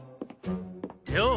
よう。